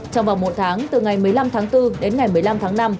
trong vòng một tháng từ ngày một mươi năm tháng bốn đến ngày một mươi năm tháng năm